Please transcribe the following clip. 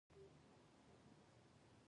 کینیايي متل وایي په چټکۍ خوړل تاوان لري.